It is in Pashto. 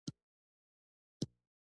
احمد اوبه خړولې.